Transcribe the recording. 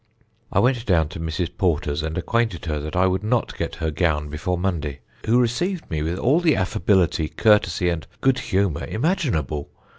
"I went down to Mrs. Porter's and acquainted her that I would not get her gown before Monday, who received me with all the affability, courtesy, and good humour imaginable.